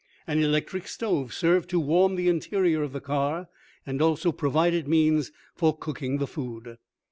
An electric stove served to warm the interior of the car, and also provided means for cooking the food.